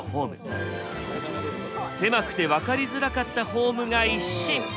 狭くて分かりづらかったホームが一新！